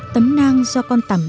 tấm nang do con tầm